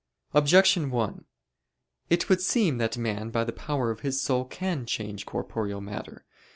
Objection 1: It would seem that man by the power of his soul can change corporeal matter.